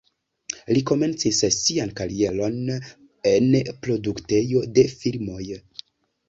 Li komencis sian karieron en produktejo de filmoj.